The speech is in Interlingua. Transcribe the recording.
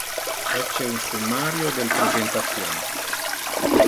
Ecce un summario del presentation.